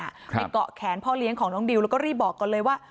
ไปเกาะแขนพ่อเลี้ยงของน้องดิวแล้วก็รีบบอกก่อนเลยว่า